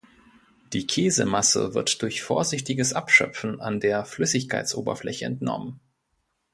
Die Käsemasse wird durch vorsichtiges Abschöpfen an der Flüssigkeitsoberfläche entnommen.